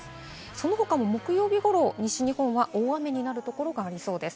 その他も木曜日ごろ、西日本は大雨になるところがありそうです。